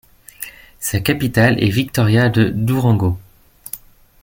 Sa capitale est Victoria de Durango.